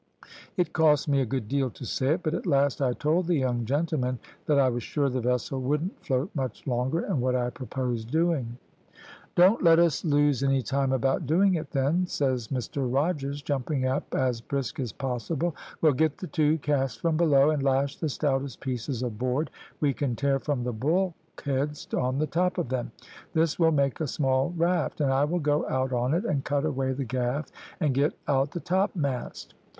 It cost me a good deal to say it, but at last I told the young gentlemen that I was sure the vessel wouldn't float much longer, and what I proposed doing. "`Don't let us lose any time about doing it, then,' says Mr Rogers, jumping up as brisk as possible; `we'll get the two casks from below, and lash the stoutest pieces of board we can tear from the bulkheads on the top of them. This will make a small raft, and I will go out on it and cut away the gaff and get out the topmast.'